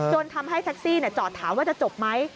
ทำให้แท็กซี่จอดถามว่าจะจบไหม